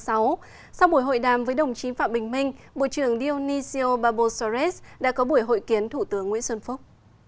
sau buổi hội đàm với đồng chí phạm bình minh bộ trưởng dionisio barbosares đã có buổi hội kiến thủ tướng nguyễn xuân phúc